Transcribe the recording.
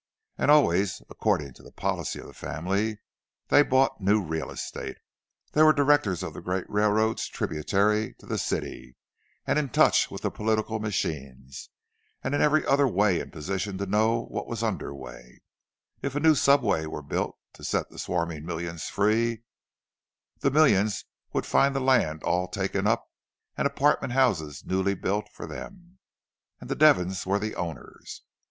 And always, according to the policy of the family, they bought new real estate. They were directors of the great railroads tributary to the city, and in touch with the political machines, and in every other way in position to know what was under way: if a new subway were built to set the swarming millions free, the millions would find the land all taken up, and apartment houses newly built for them—and the Devons were the owners.